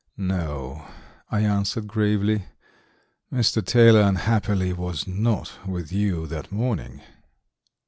"No," I answered gravely, "Mr. Taylor, unhappily, was not with you that morning."